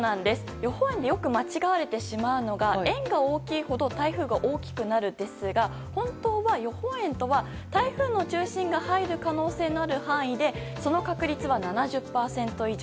予報円でよく間違われてしまうのが円が大きいほど、台風が大きくなるということですが予報円とは台風の中心が通る可能性の範囲で通る確率は７０％以上。